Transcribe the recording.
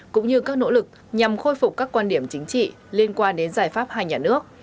cũng như các nỗ lực nhằm khôi phục các quan điểm chính trị liên quan đến giải pháp hai nhà nước